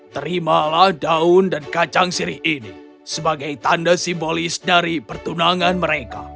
terimalah daun dan kacang sirih ini sebagai tanda simbolis dari pertunangan mereka